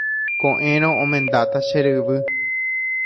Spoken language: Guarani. Ko'ẽrõ omendáta che ryvy.